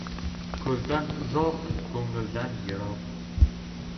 • Ko‘zdan uzoq — ko‘ngildan yiroq.